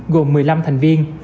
gồm một mươi năm thành viên